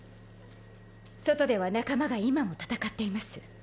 外では仲間が今も戦っています。